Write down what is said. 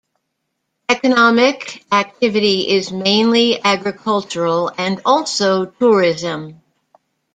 Economic activity is mainly agricultural and also tourism.